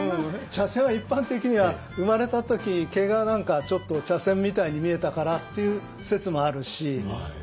「茶筅」は一般的には生まれた時毛がちょっと茶筅みたいに見えたからっていう説もあるし。